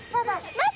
待って！